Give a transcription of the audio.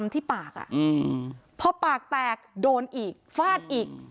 ที่ปากพอปากแตกโดนอีกฟาดอีก